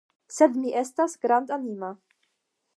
Sed mi estas grandanima.